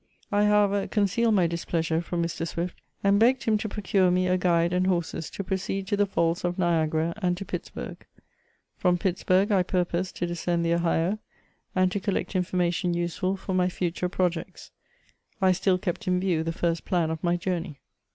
I, however, concealed my displeasure from Mr. S\\ift, and begged him to procure me a guide and horses to proceed to the Falls of JKiagara and to Pittsburg. From Pittsburg I purposed to descend the Ohio, and to collect information useful for my future projects. I still kept in view the first plan of my journey.